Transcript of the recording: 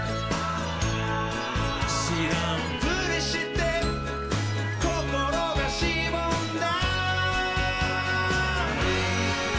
「しらんぷりしてこころがしぼんだ」